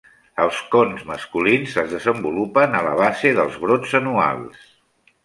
Els cons masculins es desenvolupen a la base dels brots anuals.